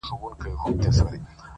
ها د فلسفې خاوند ها شتمن شاعر وايي،